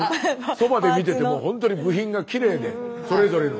そばで見ててもほんとに部品がきれいでそれぞれの。